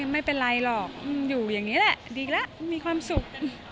ไม่เป็นไรหรอกอยู่อย่างนี้แหละดีแล้วมีความสุข